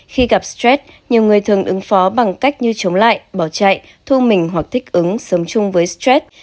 khi gặp stress nhiều người thường ứng phó bằng cách như chống lại bỏ chạy thu mình hoặc thích ứng sống chung với stress